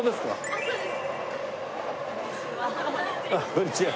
こんにちは。